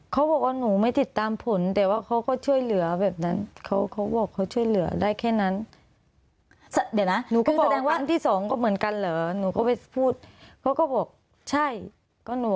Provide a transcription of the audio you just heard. เขาบอกว่าหนูไม่ติดตามผลแต่ว่าเขาก็ช่วยเหลือแบบนั้น